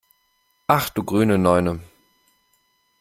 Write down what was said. Ach du grüne Neune!